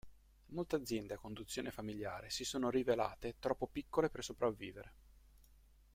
Molte aziende a conduzione familiare si sono rivelate troppo piccole per sopravvivere.